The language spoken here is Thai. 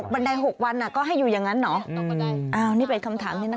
ไม่ได้ตีเขาตกบันได